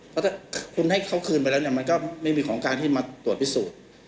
เพราะถ้าคุณให้เขาคืนไปแล้วเนี่ยมันก็ไม่มีของการที่มาตรวจพิสูจน์